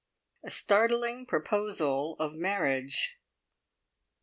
A STARTLING PROPOSAL OF MARRIAGE.